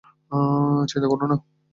চিন্তা করো না!